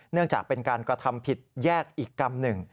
เนื่องจากเป็นการกระทำผิดแยกอีกกรรมหนึ่ง